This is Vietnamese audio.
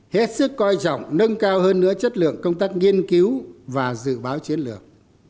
hết sức coi trọng nâng cao hơn nữa chất lượng công tác nghiên cứu và dự báo chiến lược